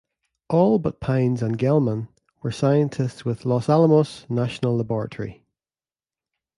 All but Pines and Gell-Mann were scientists with Los Alamos National Laboratory.